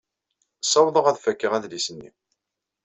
Ssawḍeɣ ad fakeɣ adlis-nni.